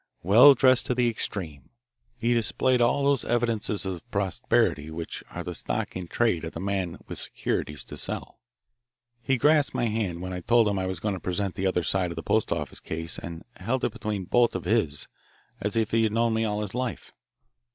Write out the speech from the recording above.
Well dressed to the extreme, he displayed all those evidences of prosperity which are the stock in trade of the man with securities to sell. He grasped my hand when I told him I was going to present the other side of the post office cases and held it between both of his as if he had known me all his life.